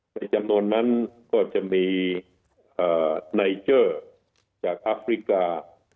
ในจำนวนนั้นก็จะมีไนเจอร์จากอัฟริกา